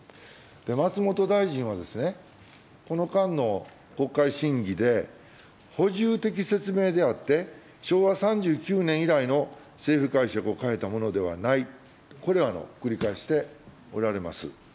松本大臣は、この間の国会審議で、補充的説明であって、昭和３９年以来の政府解釈を変えたものではない、これを繰り返しておられます。